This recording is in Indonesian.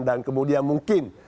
dan kemudian mungkin